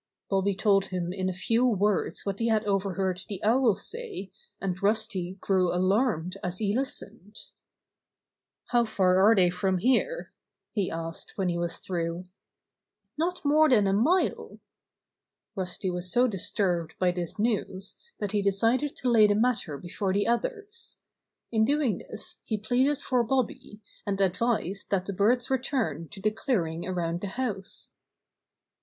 Bobby told him in a few words what he had overheard the Owls say, and Rusty grew alarmed as he listened. "How far are they from here?" he asked when he was through. "Not more than half a mile." Rusty was so disturbed by this news that he decided to lay the matter before the others. Bobby Induces the Birds to Return 123 In doing this he pleaded for Bobby, and ad vised that the birds return to the clearing around the house.